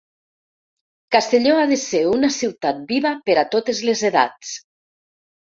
“Castelló ha de ser una ciutat viva per a totes les edats”.